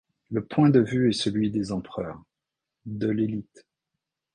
Le point de vue est celui des empereurs, de l'élite.